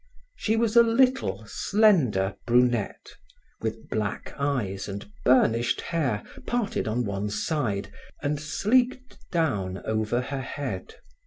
She was a little, slender brunette, with black eyes and burnished hair parted on one side and sleeked down over her head.